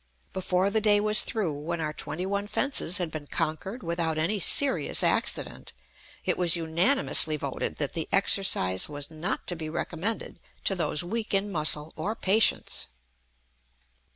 Before the day was through, when our twenty one fences had been conquered without any serious accident, it was unanimously voted that the exercise was not to be recommended to those weak in muscle or patience.